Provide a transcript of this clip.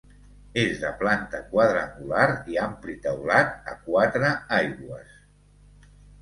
És de planta quadrangular i ampli teulat a quatre aigües.